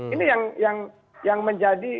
ini yang menjadi